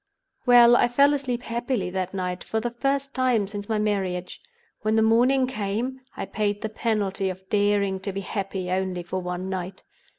"Well, I fell asleep happily that night—for the first time since my marriage. When the morning came, I paid the penalty of daring to be happy only for one night.